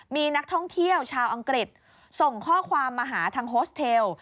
มีนักท่องเที่ยวชาวอังกฤษส่งข้อความมาหาทางโฮสเทล